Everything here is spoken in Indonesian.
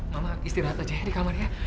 mama istirahat aja ya di kamar ya